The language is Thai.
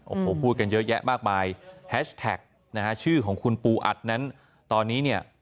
โอ้โหพูดกันเยอะแยะมากมายแฮชแท็กนะฮะชื่อของคุณปูอัดนั้นตอนนี้เนี่ย